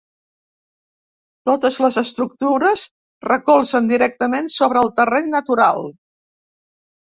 Totes les estructures recolzen directament sobre el terreny natural.